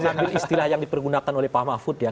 mengambil istilah yang dipergunakan oleh pak mahfud ya